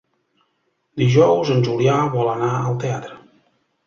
Dijous en Julià vol anar al teatre.